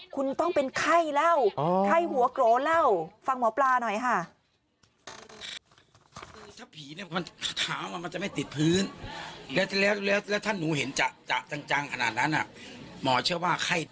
คุณต้องเป็นไข้แล้วไข้หัวโกรธแล้ว